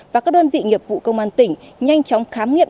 và các đơn vị nghiệp vụ công an tỉnh nhanh chóng khám nghiệm